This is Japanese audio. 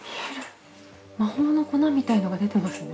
魔法の粉みたいなのが出てますね。